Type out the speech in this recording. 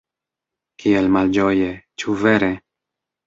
Kiel malĝoje, ĉu vere?